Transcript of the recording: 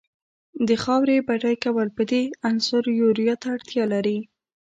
د خاورې بډای کول په دې عنصر یوریا ته اړتیا لري.